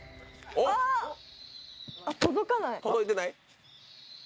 届いてない？